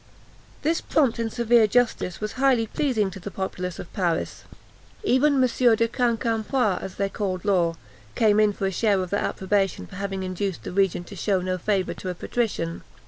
This prompt and severe justice was highly pleasing to the populace of Paris. Even M. de Quincampoix, as they called Law, came in for a share of their approbation for having induced the regent to shew no favour to a patrician.